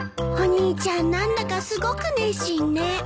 お兄ちゃん何だかすごく熱心ね。